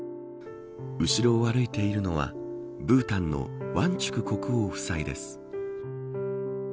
後ろを歩いているのはブータンのワンチュク国王夫妻です。